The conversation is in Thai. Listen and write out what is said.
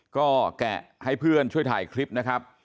ก็แกะให้เพื่อนช่วยถ่ายคลิปนะครับ